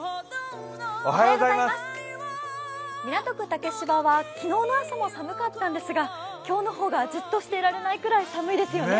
竹芝は昨日の朝も寒かったんですが、今日の方がじっとしていられないくらい寒いですよね。